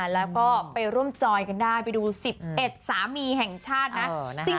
แล้วก็ไปร่วมจอยกันได้ไปดู๑๑สามีแห่งชาตินะ